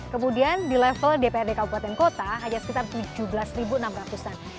kemudian di level dprd kabupaten kota hanya sekitar tujuh belas enam ratus an